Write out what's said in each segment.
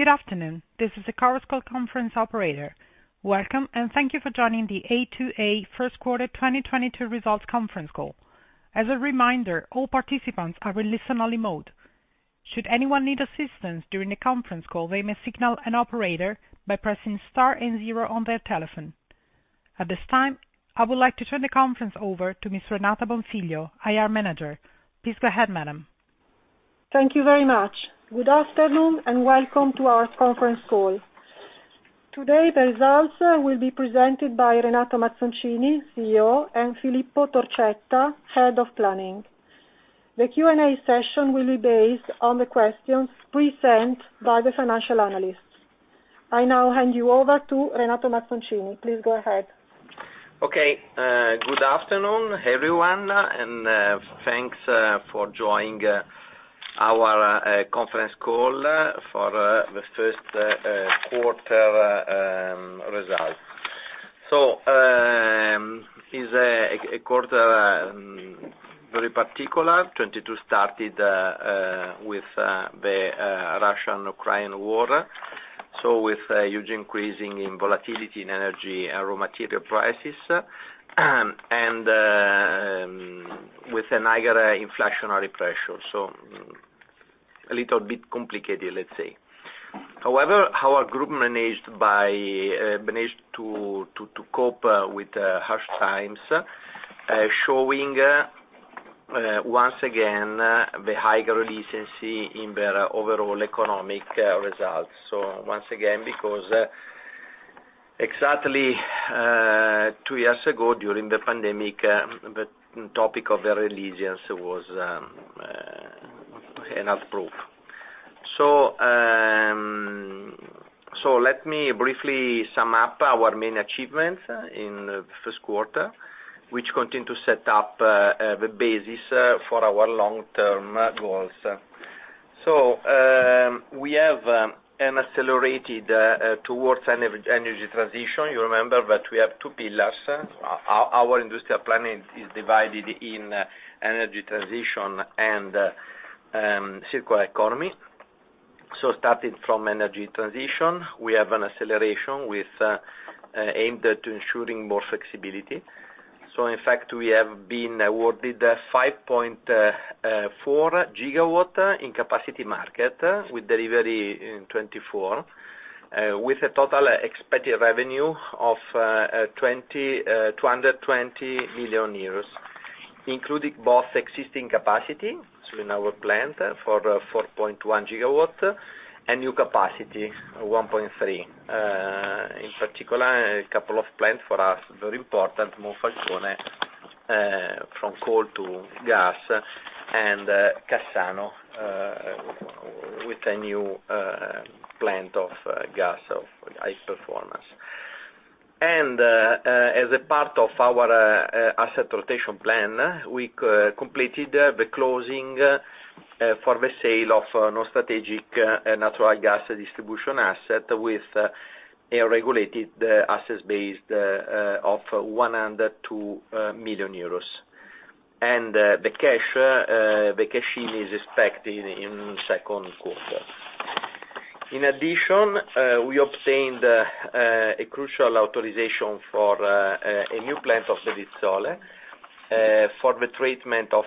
Good afternoon. This is the Chorus Call Conference operator. Welcome, and thank you for joining the A2A First Quarter 2022 Results Conference Call. As a reminder, all participants are in listen only mode. Should anyone need assistance during the conference call, they may signal an operator by pressing star and zero on their telephone. At this time, I would like to turn the conference over to Ms. Renata Bonfiglio, IR Manager. Please go ahead, madam. Thank you very much. Good afternoon, and Welcome to Our Conference Call. Today, the results will be presented by Renato Mazzoncini, CEO, and Filippo Torcetta, Head of Planning. The Q&A session will be based on the questions pre-sent by the financial analysts. I now hand you over to Renato Mazzoncini. Please go ahead. Okay. Good afternoon, everyone, and thanks for joining our conference call for the first quarter results. It's a quarter very particular. 2022 started with the Russo-Ukrainian War with a huge increase in volatility in energy and raw material prices, and with a higher inflationary pressure. A little bit complicated, let's say. However, our group managed to cope with harsh times, showing once again the high resiliency in their overall economic results. Once again, because exactly two years ago, during the pandemic, the topic of the resilience was not approved. Let me briefly sum up our main achievements in the first quarter, which continue to set up the basis for our long-term goals. We have an acceleration towards Energy Transition. You remember that we have two pillars. Our industrial planning is divided into Energy Transition and Circular Economy. Starting from Energy Transition, we have an acceleration aimed at ensuring more flexibility. In fact, we have been awarded 5.4 GW in capacity market with delivery in 2024, with a total expected revenue of 220 million euros, including both existing capacity, so in our plant 4.1 GW, and new capacity, 1.3 GW. In particular, a couple of plants for us very important, Monfalcone from coal to gas and Cassano with a new plant of gas of high performance. As part of our asset rotation plan, we completed the closing for the sale of non-strategic natural gas distribution asset with a regulated assets base of 102 million euros. The cash is expected in second quarter. In addition, we obtained a crucial authorization for a new plant of Bedizzole for the treatment of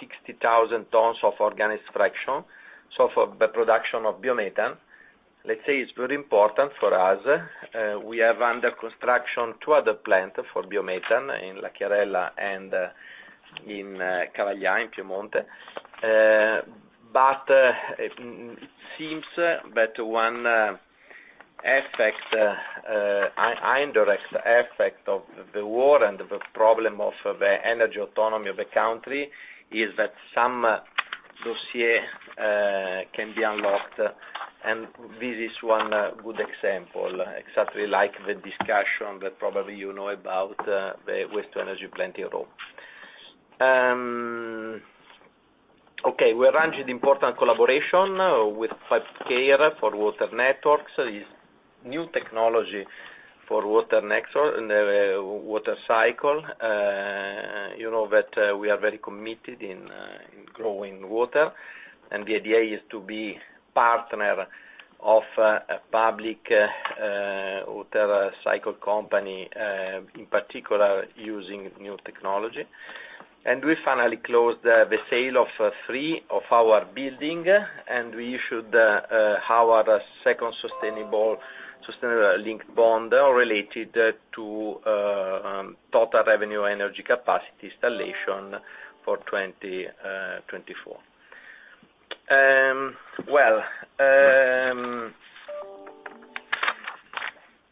60,000 tons of organic fraction, so for the production of biomethane. Let's say it's very important for us. We have under construction two other plants for biomethane in Lacchiarella and in Cavaglià, in Piedmont. It seems that one indirect effect of the war and the problem of the energy autonomy of the country is that some dossiers can be unlocked. This is one good example, exactly like the discussion that probably you know about, the waste-to-energy plant role. Okay, we arranged important collaboration with 5S for water networks. Is new technology for water cycle. You know that, we are very committed in growing water, and the idea is to be partner of, a public, water cycle company, in particular using new technology. We finally closed, the sale of three of our building, and we issued, our second sustainability-linked bond related to, total renewable energy capacity installation for 2024. Well,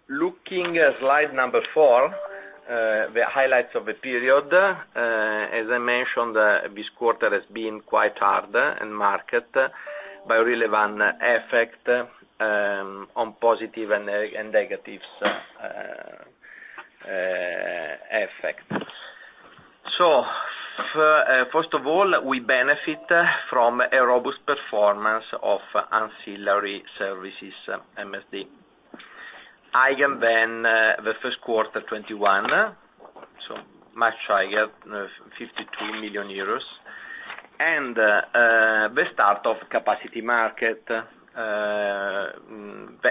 looking at slide number number, the highlights of the period, as I mentioned, this quarter has been quite hard in market by relevant effect, on positive and negatives, effects. First of all, we benefit from a robust performance of Ancillary Services MSD. Higher than the first quarter 2021. Much higher, 52 million euros. The start of capacity market, the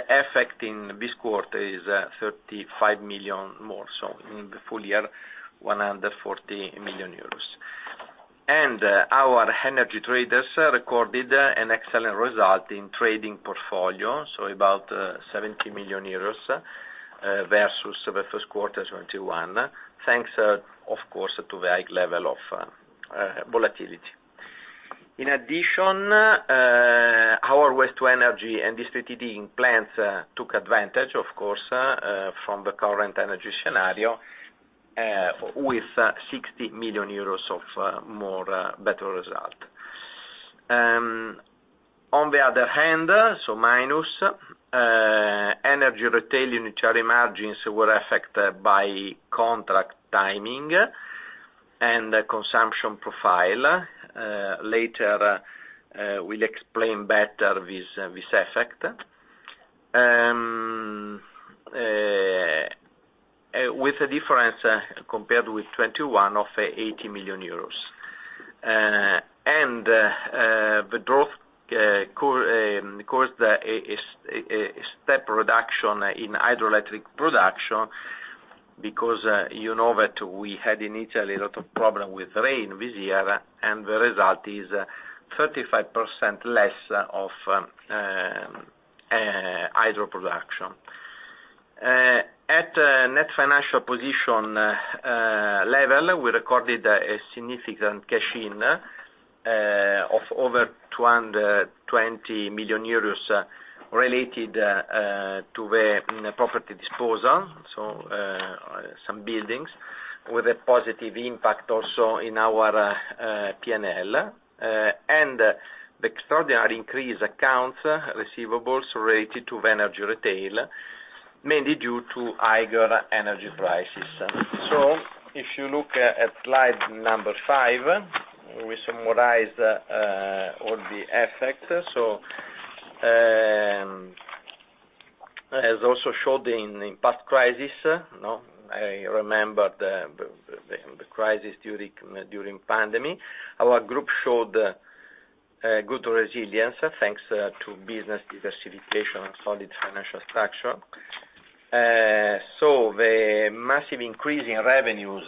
effect in this quarter is 35 million more, so in the full year, 140 million euros. Our energy traders recorded an excellent result in trading portfolio, so about 70 million euros vs the first quarter 2021, thanks, of course, to the high level of volatility. In addition, our waste-to-energy and distributed plants took advantage, of course, from the current energy scenario, with 60 million euros of more better result. On the other hand, energy retail unitary margins were affected by contract timing and consumption profile. Later, we'll explain better this effect. With a difference compared with 2021 of EUR 80 million. The drought caused a step reduction in hydroelectric production because you know that we had initially a lot of problems with rain this year, and the result is 35% less hydro production. At net financial position level, we recorded a significant cash in of over 220 million euros related to the property disposal, some buildings with a positive impact also in our P&L. The extraordinary increase in accounts receivable related to energy retail, mainly due to higher energy prices. If you look at slide number five, we summarize all the effects. As also showed in past crisis, you know, I remember the crisis during the pandemic, our group showed good resilience thanks to business diversification and solid financial structure. The massive increase in revenues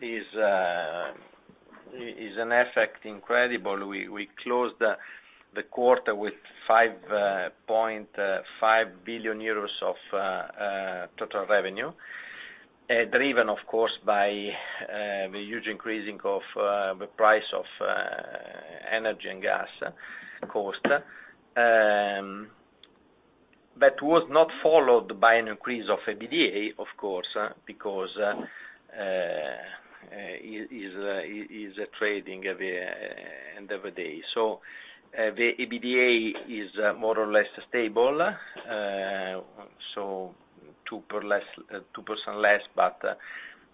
is an incredible effect. We closed the quarter with 5.5 billion euros of total revenue, driven of course by the huge increase of the price of energy and gas cost, that was not followed by an increase of EBITDA, of course, because it is traded every end of the day. The EBITDA is more or less stable, 2% less, but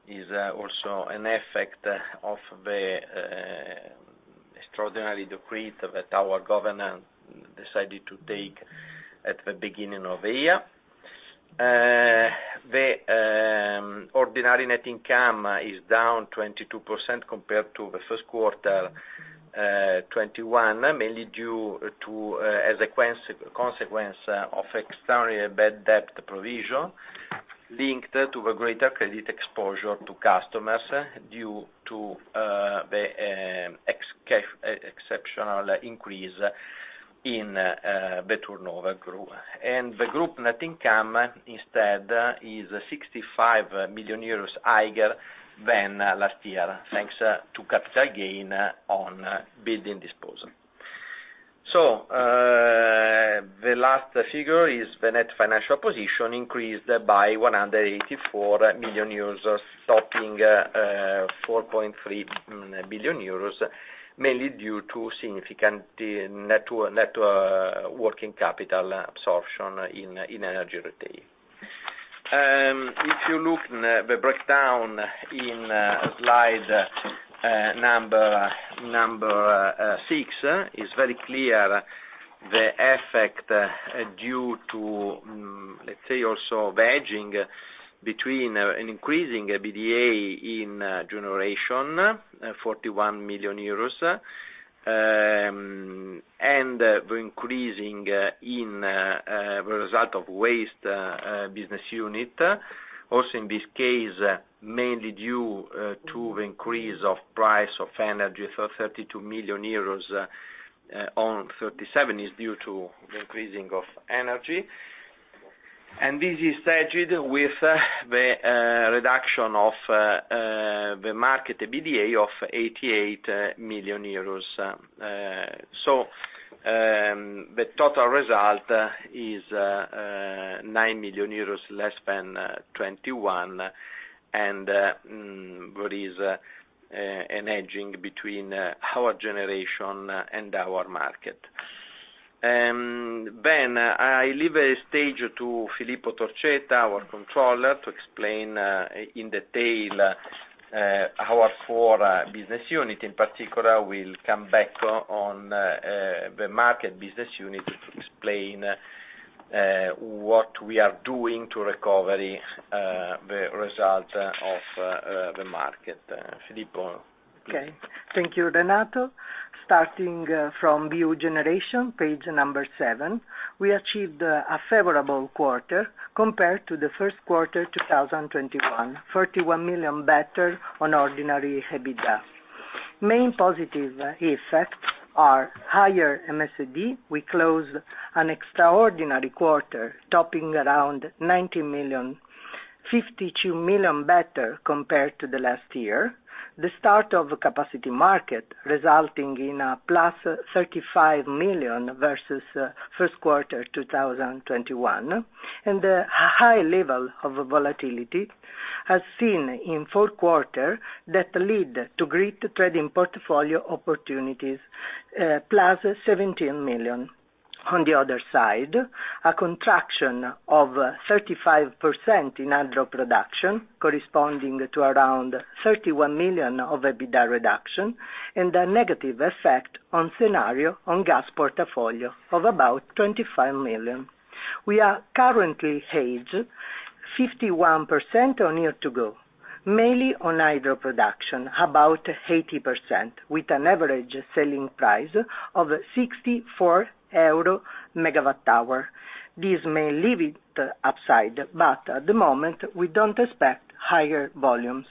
it is also an effect of the extraordinary decree that our government decided to take at the beginning of the year. The ordinary net income is down 22% compared to the first quarter 2021, mainly due to as a consequence of extraordinary bad debt provision linked to the greater credit exposure to customers due to the exceptional increase in the turnover growth. The group net income instead is 65 million euros higher than last year, thanks to capital gain on building disposal. The last figure is the net financial position increased by 184 million euros, standing at 4.3 billion euros, mainly due to significant net working capital absorption in energy retail. If you look at the breakdown in slide number six, it's very clear the effect due to, let's say also the hedging between an increasing EBITDA in generation, EUR 41 million, and the increasing in the result of waste business unit. In this case, mainly due to the increase of price of energy, so 32 million euros on 37 milllion is due to the increasing of energy. This is offset with the reduction of the market EBITDA of 88 million euros. The total result is 9 million euros less than 21 milllion, and there is an offsetting between our generation and our market. I leave the stage to Filippo Torcetta, our controller, to explain in detail our four business units. In particular, we'll come back on the market business unit to explain What we are doing to recover the results of the market. Filippo? Okay. Thank you, Renato. Starting from our generation, page seven, we achieved a favorable quarter compared to the first quarter 2021, 31 million better on ordinary EBITDA. Main positive effects are higher MSD. We closed an extraordinary quarter, topping around 90 million, 52 million better compared to the last year. The start of a capacity market, resulting in a +35 million vs first quarter 2021, and a high level of volatility, as seen in fourth quarter that lead to great trading portfolio opportunities, +17 million. On the other side, a 35% contraction in hydro production, corresponding to around 31 million of EBITDA reduction, and a negative effect on scenario on gas portfolio of about 25 million. We are currently hedged 51% on year to go, mainly on hydro production, about 80%, with an average selling price of 64 EUR/MWh. This may leave it upside, but at the moment, we don't expect higher volumes.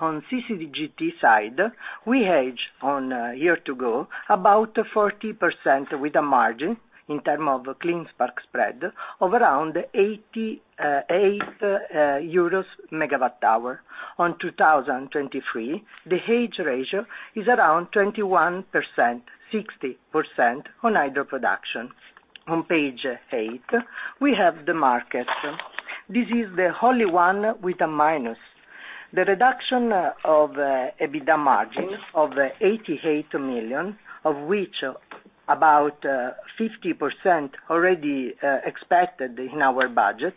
On CCGT side, we hedge on year to go about 40% with a margin, in terms of clean spark spread, of around 88 EUR/MWh. On 2023, the hedge ratio is around 21%, 60% on hydro production. On page eight, we have the market. This is the only one with a minus. The reduction of EBITDA margins of 88 million, of which about 50% already expected in our budget,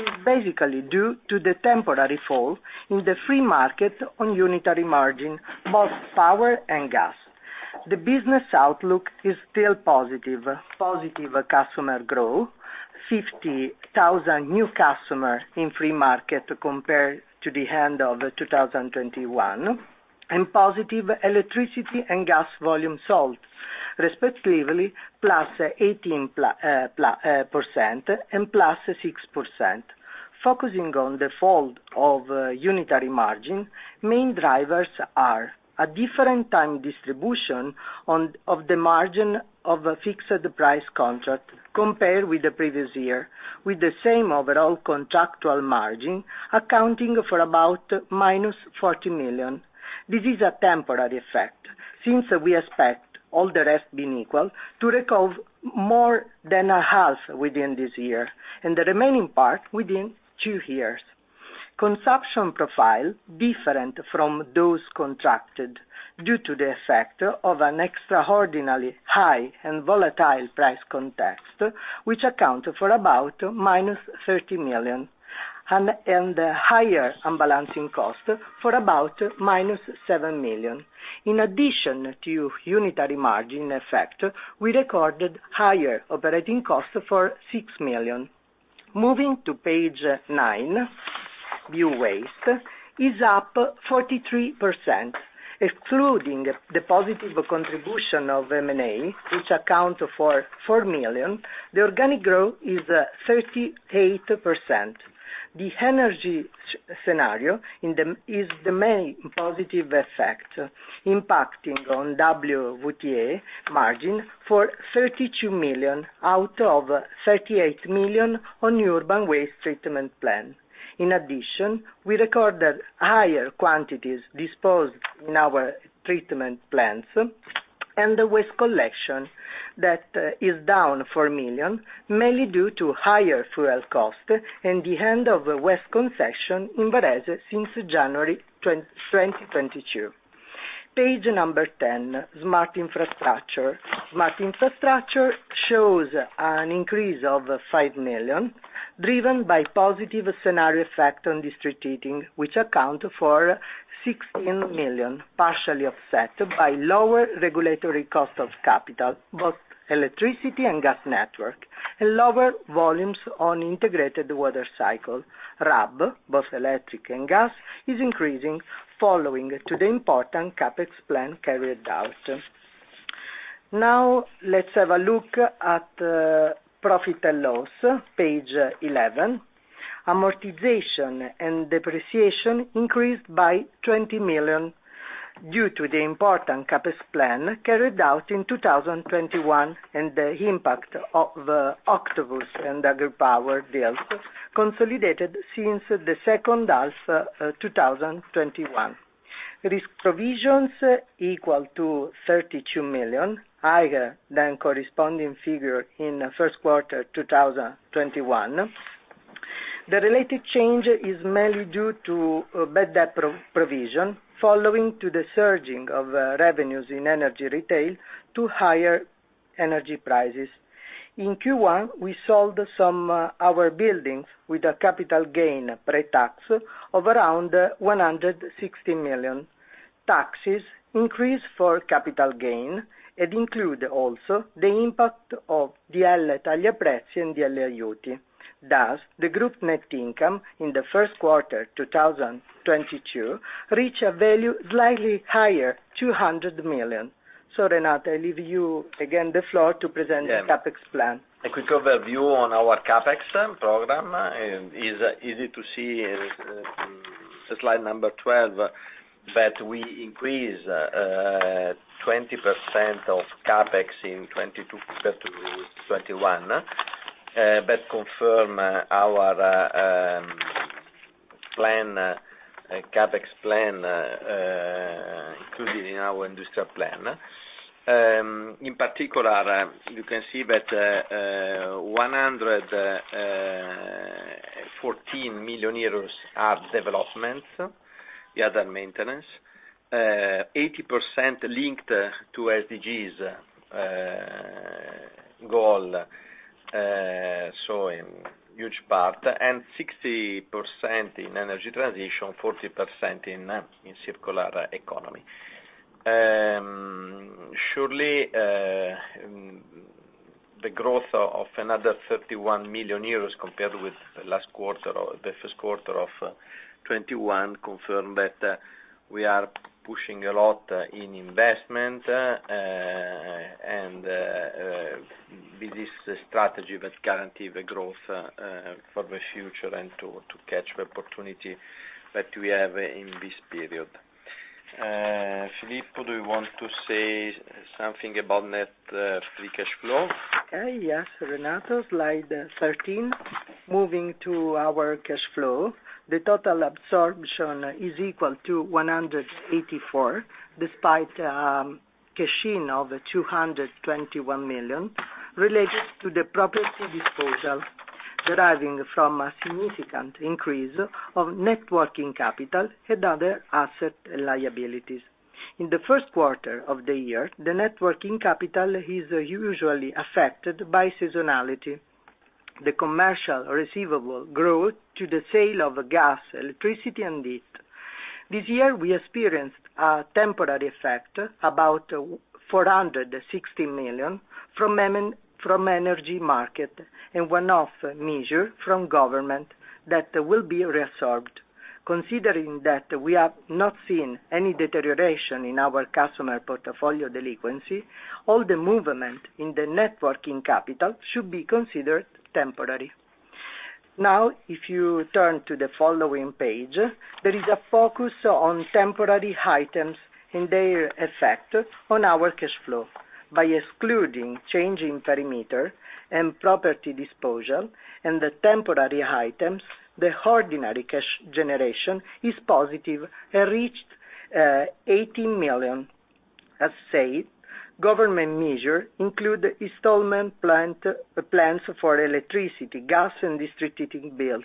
is basically due to the temporary fall in the free market on unitary margin, both power and gas. The business outlook is still positive. Positive customer growth, 50,000 new customers in free market compared to the end of 2021, and positive electricity and gas volumes sold, respectively, +18% and +6%. Focusing on the fall of unitary margin, main drivers are a different time distribution of the margin of a fixed price contract compared with the previous year, with the same overall contractual margin, accounting for about -40 million. This is a temporary effect, since we expect, all the rest being equal, to recover more than 1/2 within this year, and the remaining part within two years. Consumption profile different from those contracted due to the effect of an extraordinarily high and volatile price context, which account for about -30 million, and higher unbalancing costs for about -7 million. In addition to unitary margin effect, we recorded higher operating costs for 6 million. Moving to page nine, waste is up 43%. Excluding the positive contribution of M&A, which account for 4 million, the organic growth is 38%. The energy scenario is the main positive effect impacting on WTE margin for 32 million out of 38 million on urban waste treatment plan. In addition, we recorded higher quantities disposed in our treatment plants, and the waste collection that is down 4 million, mainly due to higher fuel cost and the end of the waste concession in Varese since January 2022. Page number 10, Smart Infrastructure. Smart Infrastructure shows an increase of 5 million, driven by positive scenario effect on district heating, which account for 16 million, partially offset by lower regulatory cost of capital, both electricity and gas network, and lower volumes on integrated water cycle. RAB, both electric and gas, is increasing following to the important CapEx plan carried out. Now, let's have a look at profit and loss, page 11. Amortization and depreciation increased by 20 million due to the important CapEx plan carried out in 2021, and the impact of Octopus and Agripower deals consolidated since the second half, 2021. Risk provisions equal to 32 million, higher than corresponding figure in first quarter 2021. The related change is mainly due to a bad debt provision, following the surge in revenues in energy retail to higher energy prices. In Q1, we sold some of our buildings with a capital gain pre-tax of around 160 million. Taxes increased for capital gain, it include also the impact of the Italian pricing DL Aiuti. Thus, the group net income in the first quarter 2022 reach a value slightly higher, 200 million. Renato, I leave you again the floor to present the CapEx plan. Yeah. A quick overview on our CapEx program, and it's easy to see in the slide number 12, that we increase 20% of CapEx in 2022 compared to 2021, but confirm our CapEx plan included in our industrial plan. In particular, you can see that 114 million euros are developments, the other maintenance, 80% linked to SDGs goals, so in huge part, and 60% in Energy Transition, 40% in Circular Economy. Surely, the growth of another 31 million euros compared with the last quarter or the first quarter of 2021 confirm that we are pushing a lot in investment, and with this strategy that guarantee the growth for the future and to catch the opportunity that we have in this period. Filippo, do you want to say something about net free cash flow? Okay, yes, Renato, slide 13. Moving to our cash flow, the total absorption is equal to 184 million, despite cash in of 221 million, related to the property disposal, deriving from a significant increase of net working capital and other asset liabilities. In the first quarter of the year, the net working capital is usually affected by seasonality. The commercial receivable growth due to the sale of gas, electricity, and heat. This year, we experienced a temporary effect, about 460 million from energy market, and one-off measure from government that will be reabsorbed. Considering that we have not seen any deterioration in our customer portfolio delinquency, all the movement in the net working capital should be considered temporary. Now, if you turn to the following page, there is a focus on temporary items and their effect on our cash flow. By excluding change in perimeter and property disposal and the temporary items, the ordinary cash generation is positive and reached 80 million. As said, government measure include installment plans for electricity, gas and district heating bills,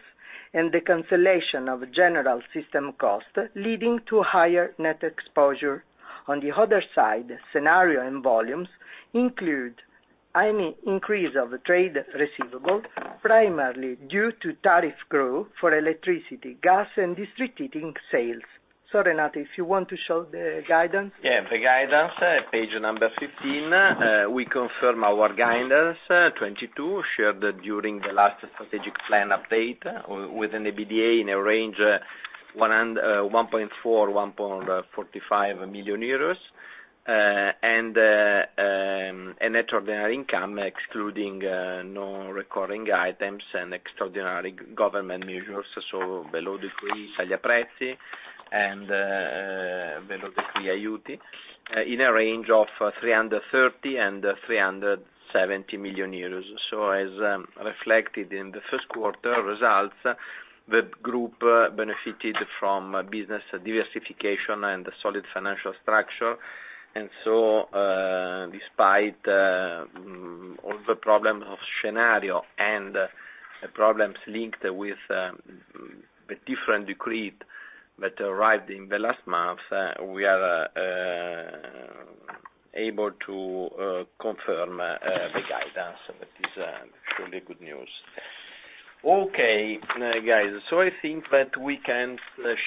and the cancellation of general system cost, leading to higher net exposure. On the other side, scenario and volumes include increase of trade receivable, primarily due to tariff growth for electricity, gas and district heating sales. Renato, if you want to show the guidance. Yeah, the guidance, page number 15. We confirm our guidance, 2022, shared during the last strategic plan update with an EBITDA in a range of 1.4 billion-1.45 billion euros, and a net ordinary income, excluding non-recurring items and extraordinary government measures, so below the DL Taglia Prezzi and below the DL Aiuti, in a range of 330 million-370 million euros. As reflected in the first quarter results, the group benefited from business diversification and a solid financial structure. Despite all the problems of scenario and the problems linked with the different decree that arrived in the last month, we are able to confirm the guidance. That is truly good news. Okay, guys, so I think that we can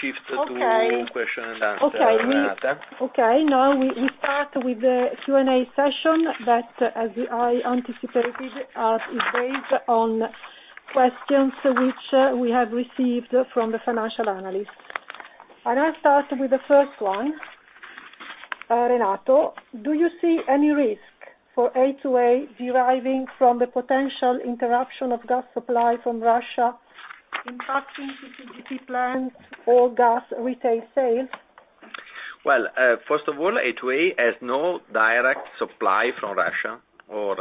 shift to. Okay. Question and answer, Renata. Okay. Now we start with the Q&A session, but as I anticipated, it is based on questions which we have received from the financial analysts. I start with the first one. Renato, do you see any risk for A2A deriving from the potential interruption of gas supply from Russia impacting CCGT plants or gas retail sales? First of all, A2A has no direct supply from Russia or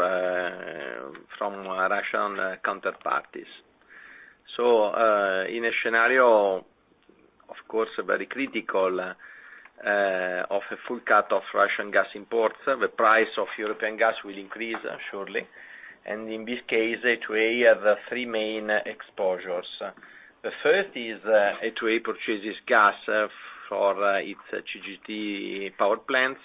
from Russian counterparties. In a scenario, of course, very critical, of a full cut of Russian gas imports, the price of European gas will increase, surely. In this case, A2A have three main exposures. The first is A2A purchases gas for its CCGT power plants.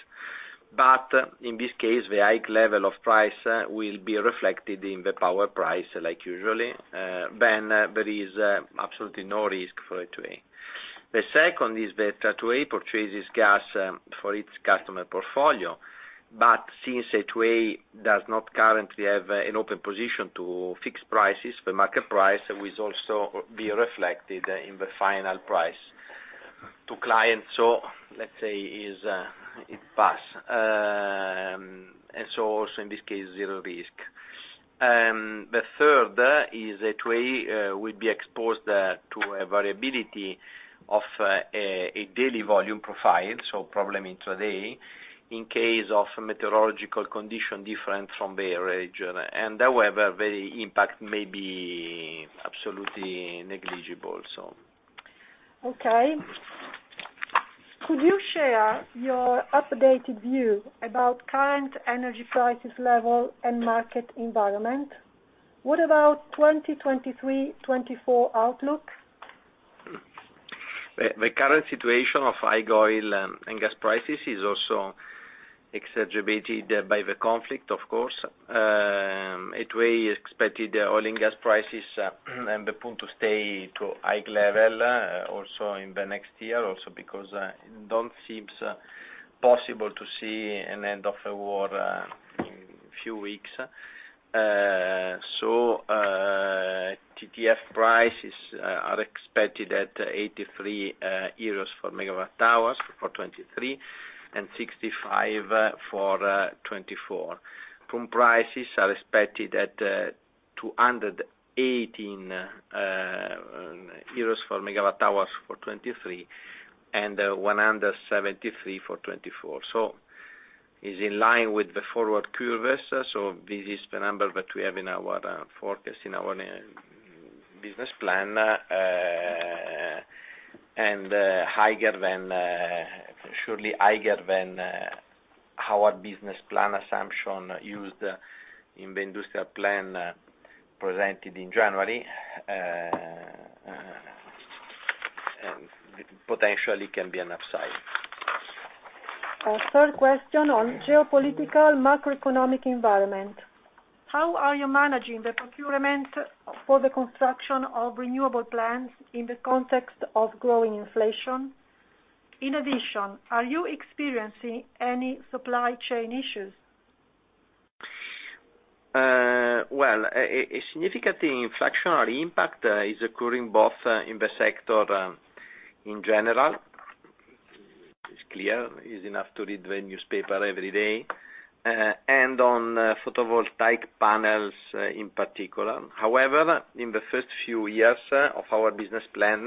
But in this case, the high level of price will be reflected in the power price as usual, then there is absolutely no risk for A2A. The second is that A2A purchases gas for its customer portfolio. But since A2A does not currently have an open position to fix prices, the market price will also be reflected in the final price to clients. Let's say it's a pass. Also in this case, zero risk. The third is A2A will be exposed to a variability of a daily volume profile, so probably intraday in case of meteorological condition different from the region, and however, the impact may be absolutely negligible. Okay. Could you share your updated view about current energy prices level and market environment? What about 2023, 2024 outlook? The current situation of high oil and gas prices is also exacerbated by the conflict of course. A2A expected oil and gas prices and the PUN to stay at high level also in the next year, also because it don't seems possible to see an end of the war in few weeks. TTF prices are expected at 83 EUR/MWh for 2023 and 65 EUR/MWh for 2024. PUN prices are expected at 218 EUR/MWh for 2023 and 173 EUR/MWh for 2024. It is in line with the forward curves. This is the number that we have in our forecast in our business plan and surely higher than our business plan assumption used in the industrial plan presented in January. Potentially can be an upside. A third question on geopolitical macroeconomic environment. How are you managing the procurement for the construction of renewable plants in the context of growing inflation? In addition, are you experiencing any supply chain issues? A significant inflationary impact is occurring both in the sector in general. It's clear, it's enough to read the newspaper every day, and on photovoltaic panels in particular. However, in the first few years of our business plan,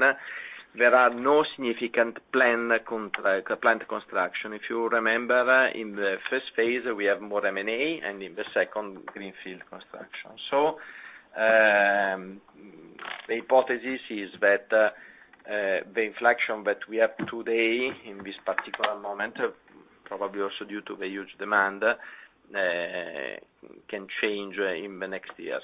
there are no significant plant construction. If you remember, in the first phase, we have more M&A, and in the second, greenfield construction. The hypothesis is that the inflation that we have today in this particular moment, probably also due to the huge demand, can change in the next years.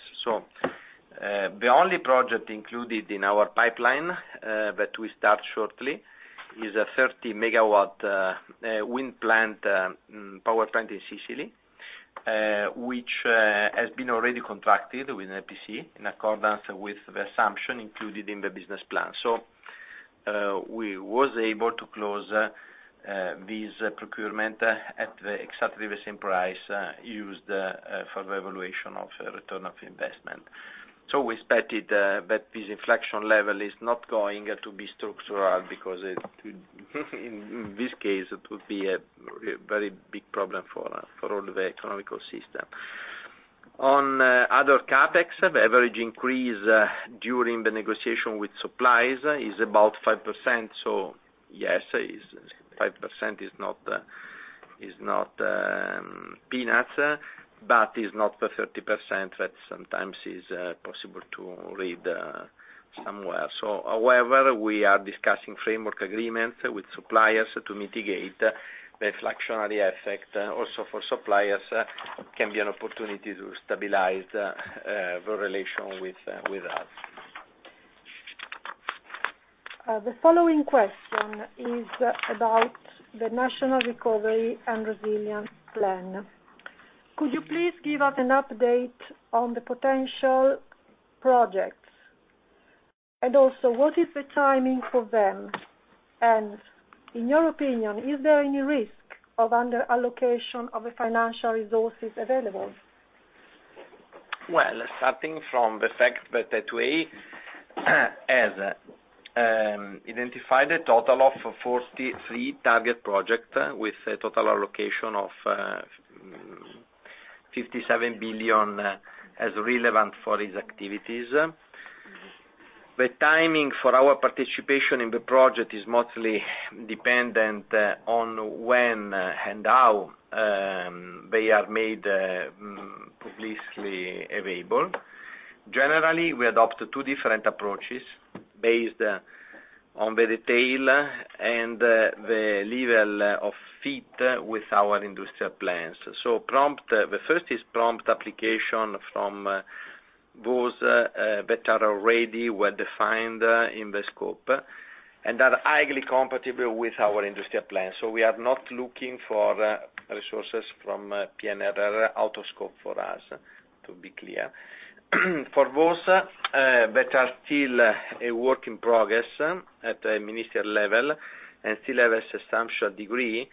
The only project included in our pipeline that we start shortly is a 30 MW wind power plant in Sicily, which has been already contracted with an EPC in accordance with the assumption included in the business plan. We was able to close this procurement at exactly the same price used for the evaluation of return on investment. We expected that this inflation level is not going to be structural because it would in this case be a very big problem for all the economic system. On other CapEx, the average increase during the negotiation with suppliers is about 5%. Yes, 5% is not peanuts, but is not the 30% that sometimes is possible to read somewhere. However, we are discussing framework agreements with suppliers to mitigate the inflationary effect, also for suppliers can be an opportunity to stabilize the relation with us. The following question is about the National Recovery and Resilience Plan. Could you please give us an update on the potential projects? What is the timing for them? In your opinion, is there any risk of under-allocation of the financial resources available? Starting from the fact that A2A has identified a total of 43 target projects with a total allocation of 57 billion as relevant for its activities. The timing for our participation in the projects is mostly dependent on when and how they are made publicly available. Generally, we adopt two different approaches based on the detail and the level of fit with our industrial plans. The first is prompt application from those that are ready, well-defined in the scope, and are highly compatible with our industrial plan. We are not looking for resources from PNRR out of scope for us, to be clear. For those that are still a work in progress at a ministerial level and still have a substantial degree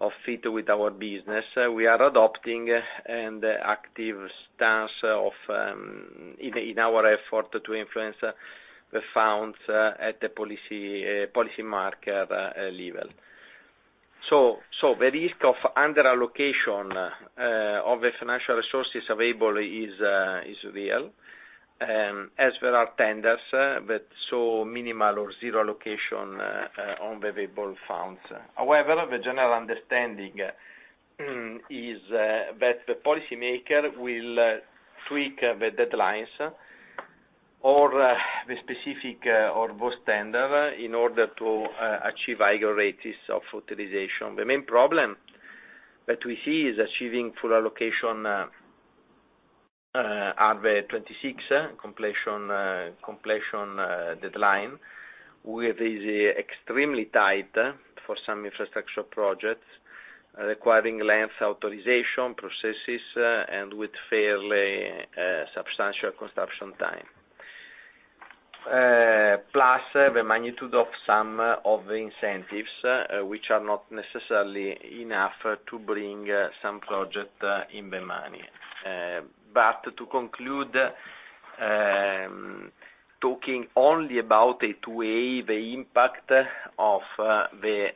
of fit with our business, we are adopting an active stance of our effort to influence the funds at the policymaker level. The risk of under-allocation of the financial resources available is real, as there are tenders that saw minimal or zero allocation on the available funds. However, the general understanding is that the policymaker will tweak the deadlines or the specific or both tender in order to achieve higher rates of authorization. The main problem that we see is achieving full allocation at the 2026 completion deadline, which is extremely tight for some infrastructure projects, requiring lengthy authorization processes and with fairly substantial construction time. Plus the magnitude of some of the incentives, which are not necessarily enough to bring some project in the money. To conclude, talking only about the PNRR, the impact of the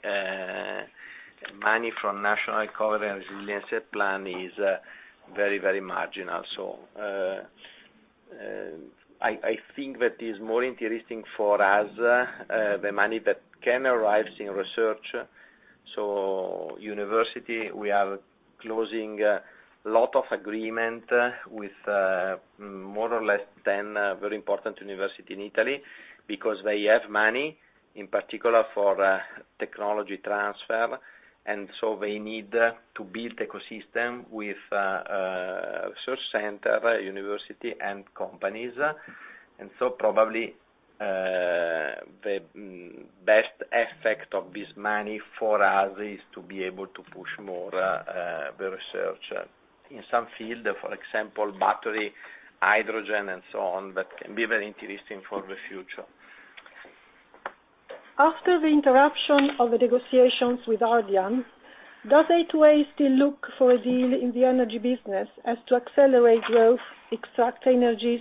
money from National Recovery and Resilience Plan is very, very marginal. I think that is more interesting for us, the money that can arise from research. Universities, we are closing a lot of agreements with more or less 10 very important universities in Italy because they have money, in particular for technology transfer. And so they need to build ecosystem with research center, university and companies. Probably, the best effect of this money for us is to be able to push more, the research in some field, for example, battery, hydrogen and so on, that can be very interesting for the future. After the interruption of the negotiations with Ardian, does A2A still look for a deal in the energy business as to accelerate growth, extract synergies,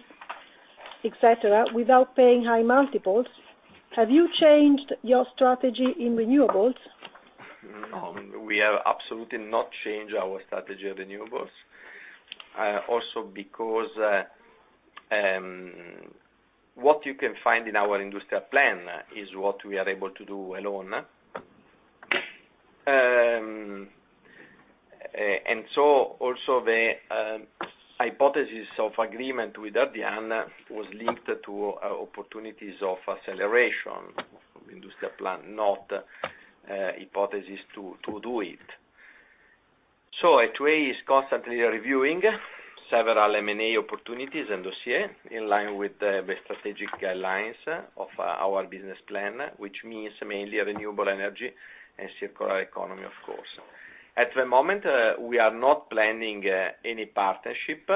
et cetera, without paying high multiples? Have you changed your strategy in renewables? No, we have absolutely not changed our strategy of renewables. Also because what you can find in our Industrial plan is what we are able to do alone. Also the hypothesis of agreement with Ardian was linked to opportunities of acceleration of Industrial Plan, not hypothesis to do it. A2A is constantly reviewing several M&A opportunities and dossiers in line with the strategic lines of our business plan, which means mainly renewable energy and circular economy, of course. At the moment, we are not planning any partnership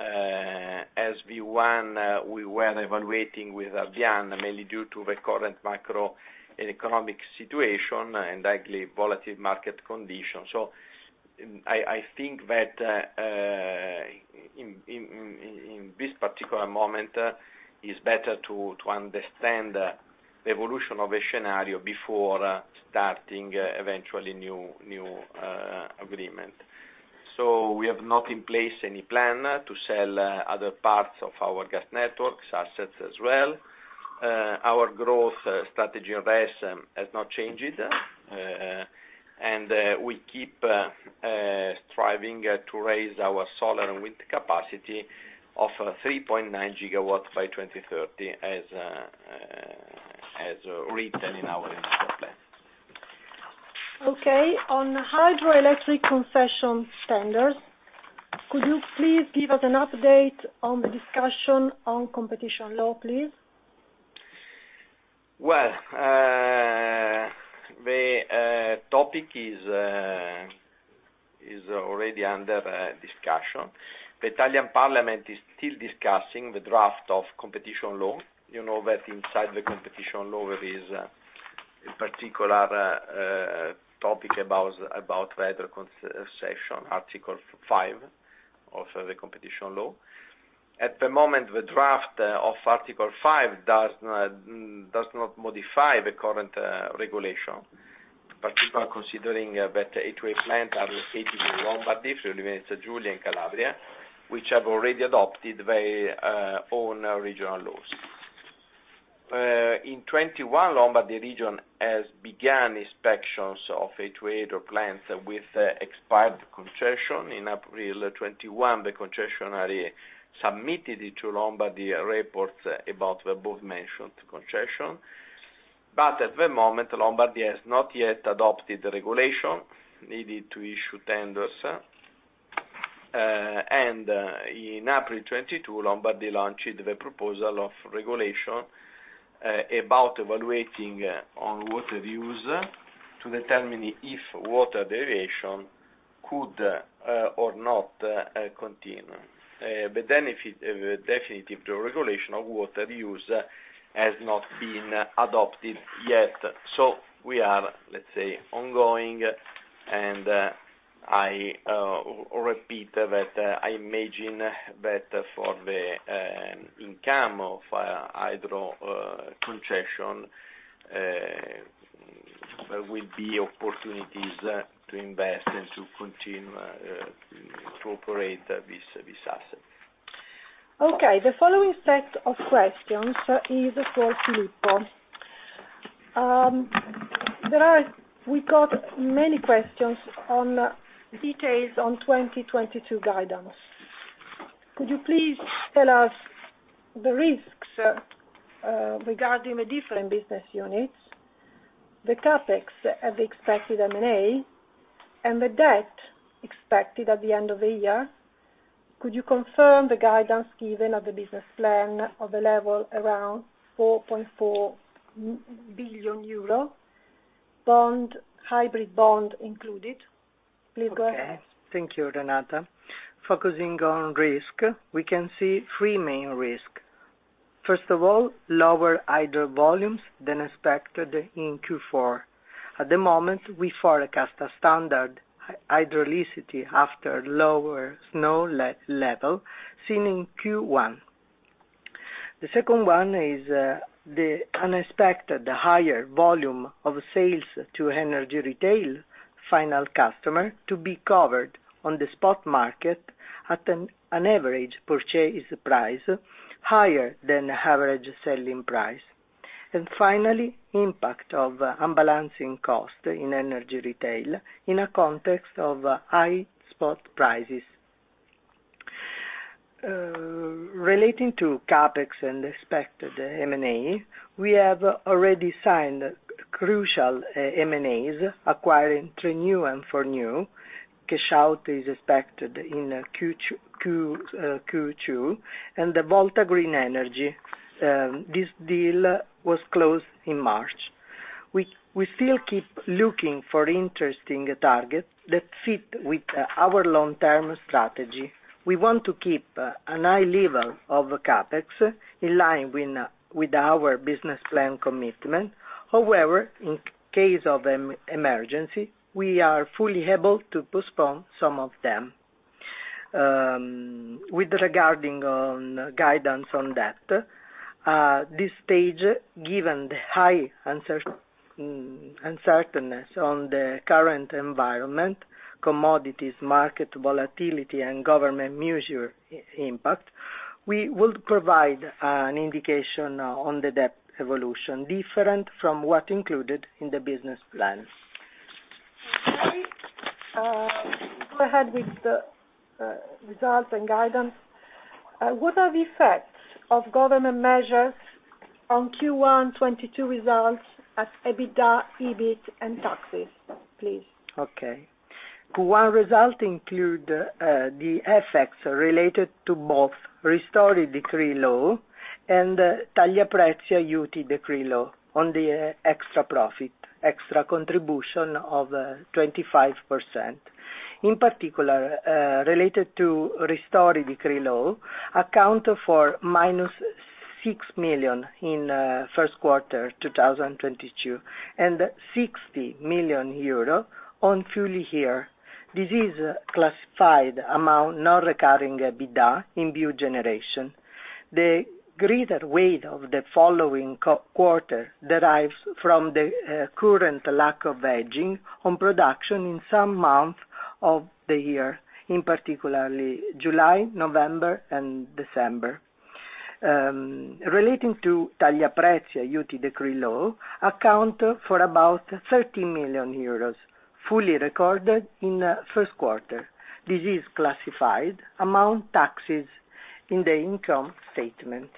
as we were evaluating with Ardian, mainly due to the current macroeconomic situation and highly volatile market conditions. I think that in this particular moment, it's better to understand the evolution of a scenario before starting any new agreement. We do not have in place any plan to sell other parts of our gas network assets as well. Our growth strategy on this has not changed. We keep striving to raise our solar and wind capacity to 3.9 GW by 2030, as written in our industrial plan. Okay. On hydroelectric concession tenders, could you please give us an update on the discussion on competition law, please? Well, the topic is already under discussion. The Italian parliament is still discussing the draft of competition law. You know that inside the competition law, there is a particular topic about federal concession, Article 5 of the Competition Law. At the moment, the draft of Article 5 does not modify the current regulation, particularly considering that A2A plants are located in Lombardy, Friuli Venezia Giulia, and Calabria, which have already adopted their own regional laws. In 2021, Lombardy region has begun inspections of A2A hydro plants with expired concession. In April 2021, the concessionaire submitted it to Lombardy reports about above-mentioned concession. At the moment, Lombardy has not yet adopted the regulation needed to issue tenders. In April 2022, Lombardy launched the proposal of regulation about evaluating on water use to determine if water deviation could or not contain. Definitely the regulation of water use has not been adopted yet. We are, let's say, ongoing, and I repeat that I imagine that for the income of hydro concession there will be opportunities to invest and to continue to operate this asset. Okay. The following set of questions is for Filippo. We got many questions on details on 2022 guidance. Could you please tell us the risks regarding the different business units, the CapEx and the expected M&A, and the debt expected at the end of the year? Could you confirm the guidance given at the business plan of the level around 4.4 billion euro, bond, hybrid bond included? Please go ahead. Okay. Thank you, Renata. Focusing on risk, we can see three main risk. First of all, lower hydro volumes than expected in Q4. At the moment, we forecast a standard hydricity after lower snow level seen in Q1. The second one is the unexpected higher volume of sales to energy retail final customer to be covered on the spot market at an average purchase price higher than average selling price. And finally, impact of unbalancing cost in energy retail in a context of high spot prices. Relating to CapEx and expected M&A, we have already signed crucial M&As, acquiring Trenord and 3New. Cash out is expected in Q2, and the Volta Green Energy this deal was closed in March. We still keep looking for interesting target that fit with our long-term strategy. We want to keep a high level of CapEx in line with our business plan commitment. However, in case of emergency, we are fully able to postpone some of them. Regarding guidance on debt, at this stage, given the high uncertainty on the current environment, commodities, market volatility and government measures impact, we will provide an indication on the debt evolution different from what included in the business plan. Okay. Go ahead with the results and guidance. What are the effects of government measures on Q1 2022 results as EBITDA, EBIT and taxes, please? Q1 results include the effects related to both Ristori Decree Law and Tagliaprezzi Decree Law on the extra profit extra contribution of 25%. In particular, related to Ristori Decree Law account for -6 million in first quarter 2022, and 60 million euro on full year. This is classified among non-recurring EBITDA in the generation. The greater weight of the following quarter derives from the current lack of hedging on production in some months of the year, in particular July, November and December. Relating to Tagliaprezzi Decree Law account for about 30 million euros, fully recorded in first quarter. This is classified among taxes in the income statement.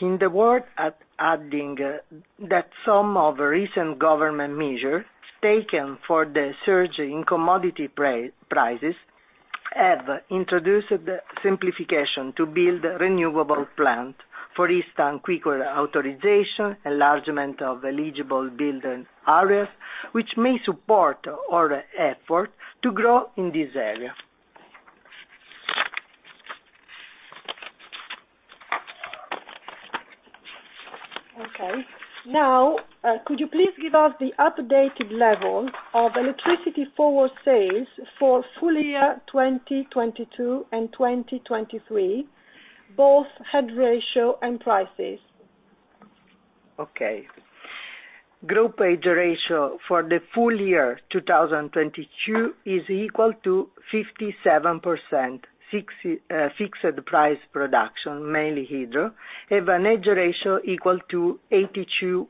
In addition, some recent government measures taken for the surge in commodity prices have introduced simplifications to build renewable plants, for instance, quicker authorization, enlargement of eligible building areas, which may support our efforts to grow in this area. Okay. Now, could you please give us the updated level of electricity forward sales for full year 2022 and 2023, both hedge ratio and prices? Okay. Group hedge ratio for the full year 2022 is equal to 57%, fixed price production, mainly hydro, and a hedge ratio equal to 82%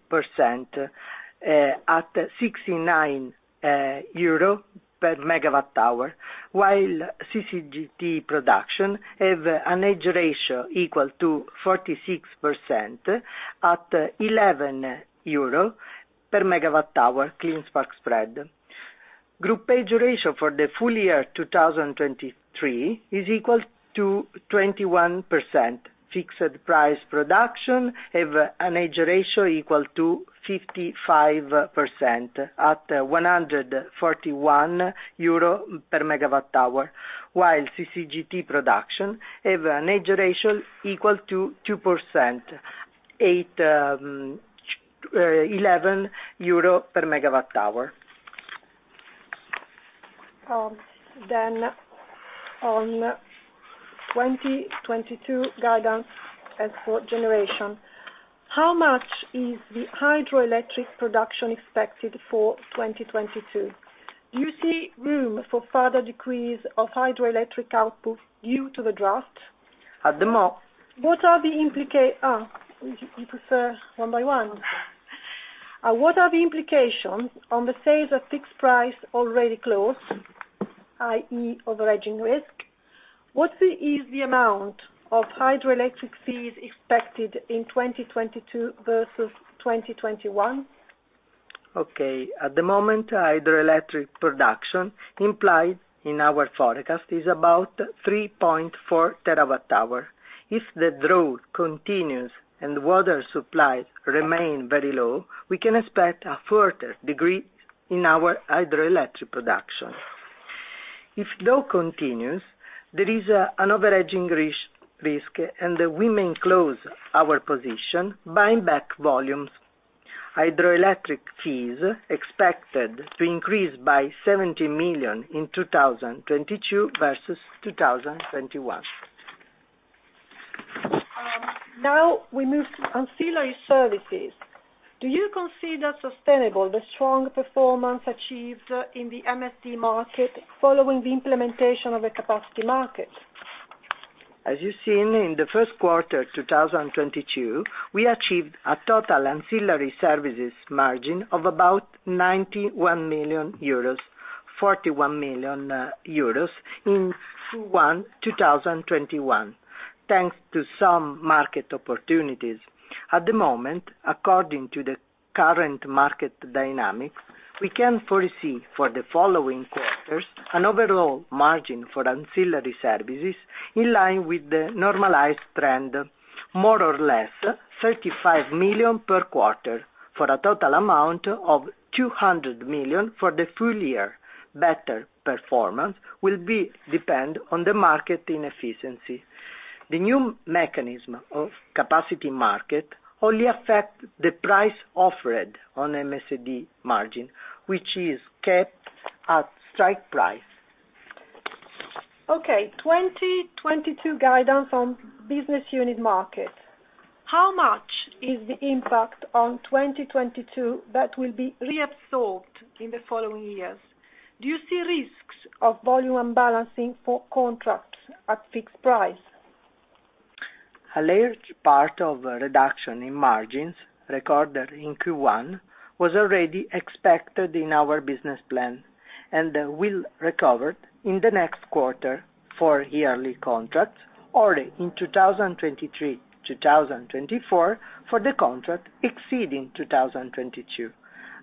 at 69 EUR/MWh, while CCGT production have a hedge ratio equal to 46% at 11 EUR/MWh clean spark spread. Group hedge ratio for the full year 2023 is equal to 21%. Fixed price production have a hedge ratio equal to 55% at 141 EUR/MWh, while CCGT production have a hedge ratio equal to 2% at 11 EUR/MWh. On 2022 guidance and for generation, how much is the hydroelectric production expected for 2022? Do you see room for further decrease of hydroelectric output due to the drought? At the mo- You prefer one by one? What are the implications on the sales of fixed price already closed, i.e. overhedging risk? What is the amount of hydroelectric fees expected in 2022 vs 2021? Okay. At the moment, hydroelectric production implied in our forecast is about 3.4 TWh. If the drought continues and water supply remains very low, we can expect a further decrease in our hydroelectric production. If drought continues, there is an overhedging risk, and we may close our position, buying back volumes. Hydroelectric fees expected to increase by 70 million in 2022 vs 2021. Now we move to ancillary services. Do you consider sustainable the strong performance achieved in the MSD market following the implementation of a capacity market? As you've seen in the first quarter 2022, we achieved a total Ancillary Services margin of about 91 million euros, 41 million euros in Q1 2021, thanks to some market opportunities. At the moment, according to the current market dynamics, we can foresee for the following quarters an overall margin for ancillary services in line with the normalized trend, more or less 35 million per quarter, for a total amount of 200 million for the full year. Better performance will depend on the market inefficiency. The new mechanism of capacity market only affects the price offered on MSD margin, which is kept at strike price. Okay, 2022 guidance on business unit margin. How much is the impact on 2022 that will be reabsorbed in the following years? Do you see risks of volume imbalances for contracts at fixed price? A large part of reduction in margins recorded in Q1 was already expected in our business plan, and will recover in the next quarter for yearly contracts or in 2023, 2024 for the contract exceeding 2022.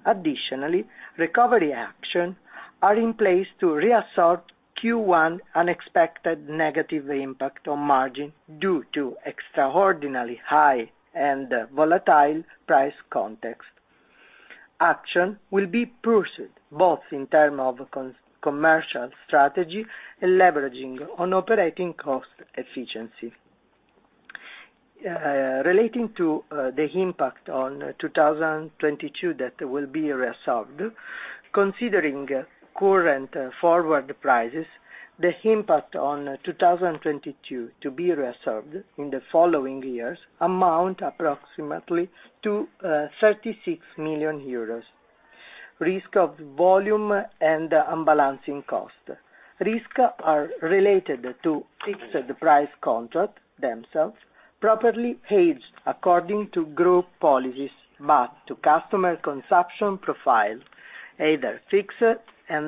Additionally, recovery actions are in place to reabsorb Q1 unexpected negative impact on margin due to extraordinarily high and volatile price context. Actions will be pursued both in terms of commercial strategy and leveraging on operating cost efficiency. Relating to the impact on 2022 that will be reabsorbed, considering current forward prices, the impact on 2022 to be reabsorbed in the following years amounts approximately to 36 million euros. Risk of volume and unbalancing cost. Risks are related to fixed price contracts themselves, properly hedged according to group policies, but to customer consumption profile, either fixed or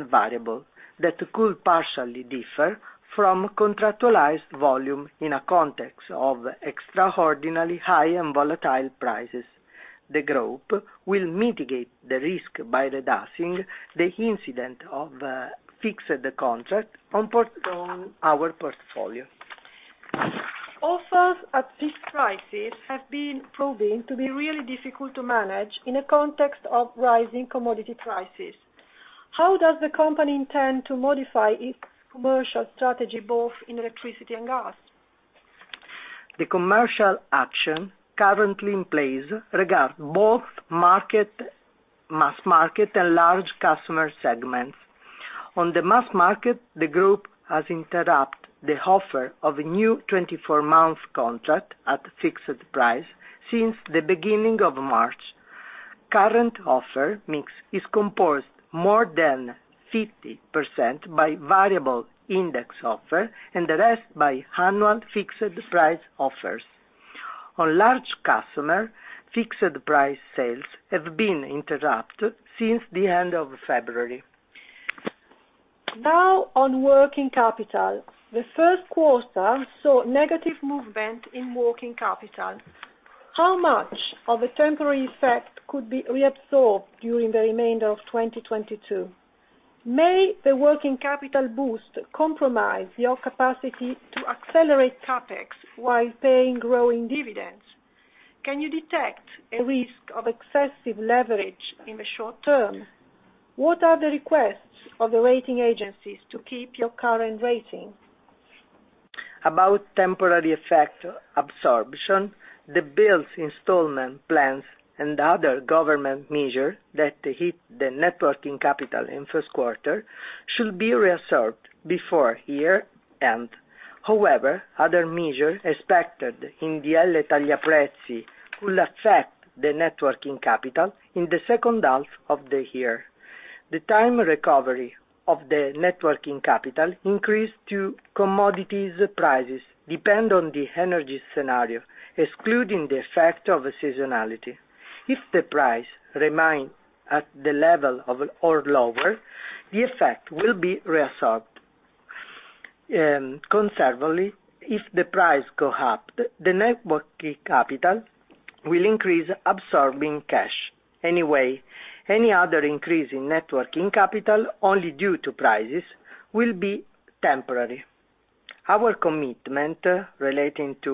variable, that could partially differ from contractualized volume in a context of extraordinarily high and volatile prices. The group will mitigate the risk by reducing the incidence of fixed contracts on our portfolio. Offers at fixed prices have been proving to be really difficult to manage in a context of rising commodity prices. How does the company intend to modify its commercial strategy, both in electricity and gas? The commercial action currently in place regards both markets, mass market and large customer segments. On the mass market, the group has interrupted the offer of a new 24-month contract at fixed price since the beginning of March. Current offer mix is composed more than 50% by variable index offer, and the rest by annual fixed price offers. On large customer, fixed price sales have been interrupted since the end of February. Now on working capital. The first quarter saw negative movement in working capital. How much of a temporary effect could be reabsorbed during the remainder of 2022? May the working capital boost compromise your capacity to accelerate CapEx while paying growing dividends? Can you detect a risk of excessive leverage in the short term? What are the requests of the rating agencies to keep your current rating? About temporary effect absorption, the bills installment plans and other government measures that hit the net working capital in first quarter should be reabsorbed before year end. However, other measures expected in the Tagliaprezzi will affect the net working capital in the second half of the year. The time recovery of the net working capital increase due to commodities prices depends on the energy scenario, excluding the effect of seasonality. If the price remains at the level of or lower, the effect will be reabsorbed. Conceivably, if the price goes up, the net working capital will increase absorbing cash. Anyway, any other increase in net working capital only due to prices will be temporary. Our commitment relating to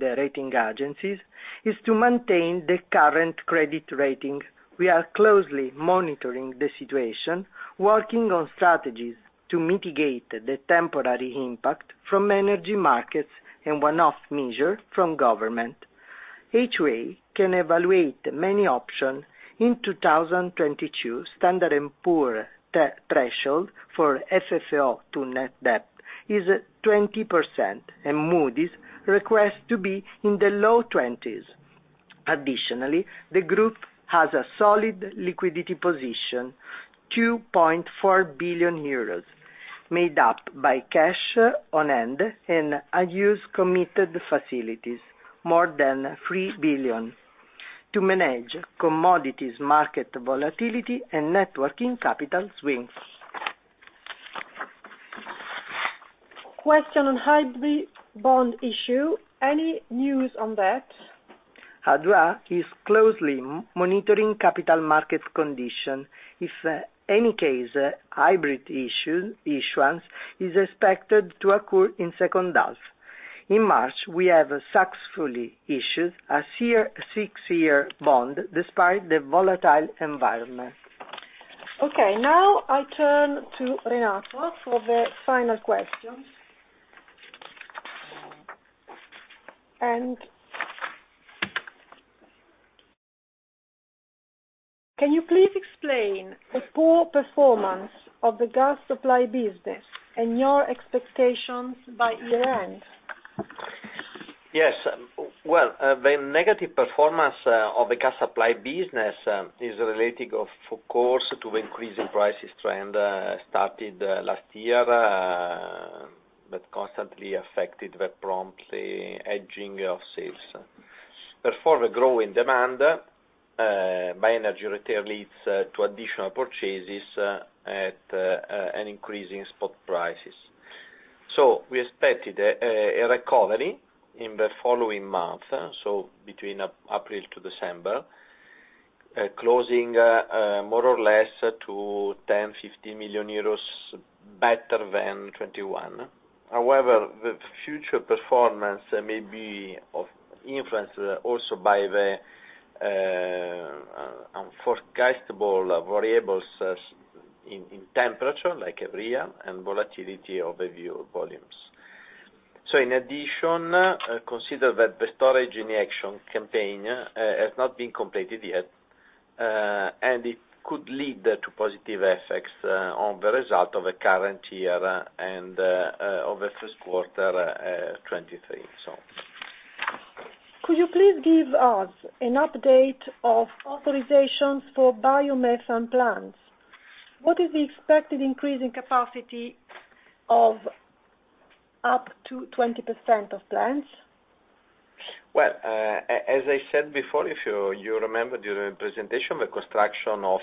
the rating agencies is to maintain the current credit rating. We are closely monitoring the situation, working on strategies to mitigate the temporary impact from energy markets and one-off measures from government. Each way can evaluate many options. In 2022, S&P's threshold for FFO to net debt is 20%, and Moody's request to be in the low 20s. Additionally, the group has a solid liquidity position, 2.4 billion euros, made up by cash on hand and unused committed facilities, more than 3 billion, to manage commodities market volatility and net working capital swings. Question on hybrid bond issue, any news on that? A2A is closely monitoring capital market conditions. In any case, hybrid issuance is expected to occur in second half. In March, we have successfully issued a six-year bond despite the volatile environment. Okay, now I'll turn to Renato for the final questions. Can you please explain the poor performance of the gas supply business and your expectations by year end? Yes. Well, the negative performance of the gas supply business is relating of course to increasing prices trend started last year that constantly affected the promptly hedging of sales. Therefore, the growing demand by energy retailers leads to additional purchases at an increase in spot prices. We expected a recovery in the following month, so between April to December closing more or less to 1,050 million euros, better than 2021. However, the future performance may be of influence also by the unforecastable variables in temperature, like area, and volatility of the fuel volumes. In addition, consider that the storage injection campaign has not been completed yet, and it could lead to positive effects on the result of the current year and of the first quarter 2023. Could you please give us an update of authorizations for biomass and plants? What is the expected increase in capacity of up to 20% of plants? Well, as I said before, if you remember during presentation, the construction of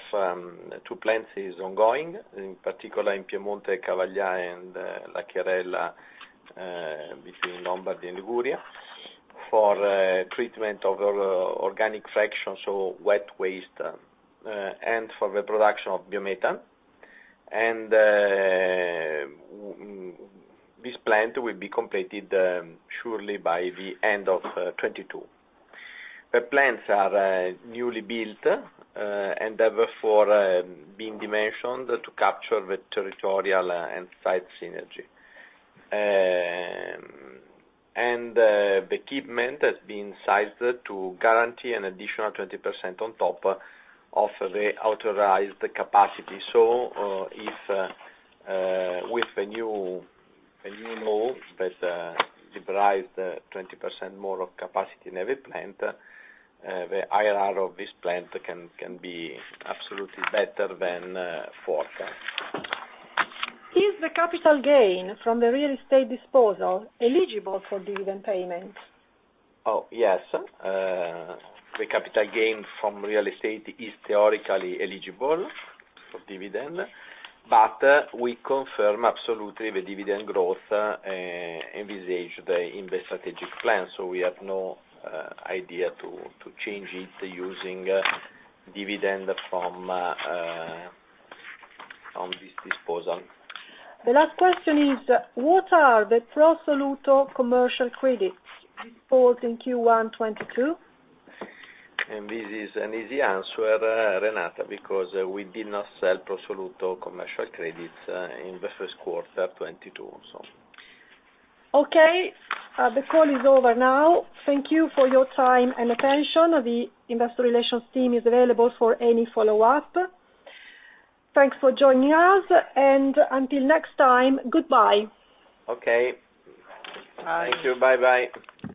two plants is ongoing, in particular in Piemonte, Cavaglià, and Lacchiarella, between Lombardy and Liguria, for treatment of organic fractions, so wet waste, and for the production of biomethane. This plant will be completed surely by the end of 2022. The plants are newly built and therefore being dimensioned to capture the territorial and site synergy. The equipment has been sized to guarantee an additional 20% on top of the authorized capacity. If with the new law that liberates 20% more of capacity in every plant, the IRR of this plant can be absolutely better than forecast. Is the capital gain from the real estate disposal eligible for dividend payments? Oh, yes. The capital gain from real estate is theoretically eligible for dividend, but we confirm absolutely the dividend growth envisaged in the strategic plan. We have no idea to change it using dividend from this disposal. The last question is, what are the pro soluto commercial credits reported in Q1 2022? This is an easy answer, Renata, because we did not sell pro soluto commercial credits in the first quarter 2022, so. Okay. The call is over now. Thank you for your time and attention. The investor relations team is available for any follow-up. Thanks for joining us, and until next time, goodbye. Okay. Bye. Thank you. Bye-bye.